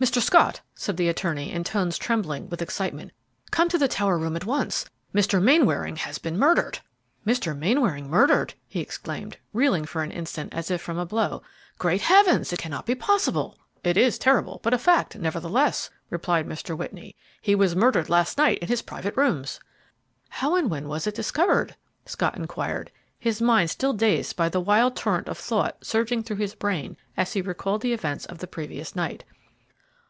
"Mr. Scott," said the attorney, in tones trembling with excitement, "come to the tower room at once. Mr. Mainwaring has been murdered!" "Mr. Mainwaring murdered!" he exclaimed, reeling for an instant as if from a blow. "Great heavens! it cannot be possible!" "It is terrible, but a fact, nevertheless," replied Mr. Whitney; "he was murdered last night in his private rooms." "How and when was it discovered?" Scott inquired, his mind still dazed by the wild torrent of thought surging through his brain as he recalled the events of the previous night.